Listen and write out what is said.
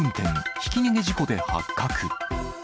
ひき逃げ事故で発覚。